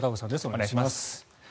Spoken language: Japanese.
お願いします。